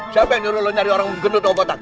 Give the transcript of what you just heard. siapa yang nyuruh lu nyari orang gendut yang botak